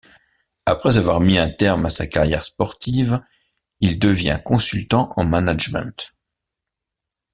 Après avoir mis un terme à sa carrière sportive, il devient consultant en management.